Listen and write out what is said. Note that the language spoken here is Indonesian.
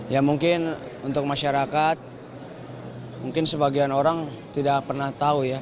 ya mungkin untuk masyarakat mungkin sebagian orang tidak pernah tahu ya